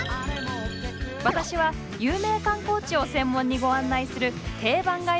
私は有名観光地を専門にご案内する定番ガイドブックです。